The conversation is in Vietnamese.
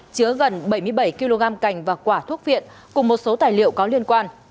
chứa gần bảy mươi bảy kg cành và quả thuốc viện cùng một số tài liệu có liên quan